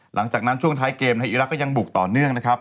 หลังจากนั้นช่วงท้ายเกมในอีรักษ์ก็ยังบุกต่อเนื่องนะครับ